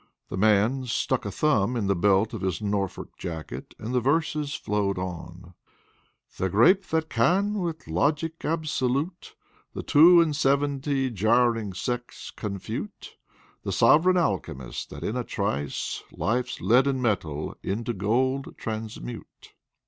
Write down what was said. The man stuck a thumb in the belt of his Norfolk jacket, and the verses flowed on: "The grape that can with logic absolute The two and seventy jarring sects confute: The sovereign Alchemist that in a trice Life's leaden metal into Gold transmute."